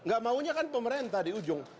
gak maunya kan pemerintah di ujung